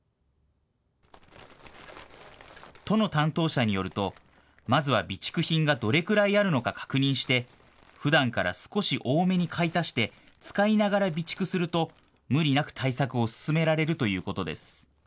都の担当者によるとまずは備蓄品がどれくらいあるのか確認してふだんから少し多めに買い足して使いながら備蓄すると無理なく対策を進められるということです。